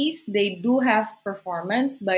mereka memiliki persembahan sendiri